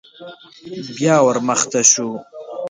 بيا ور مخته شو.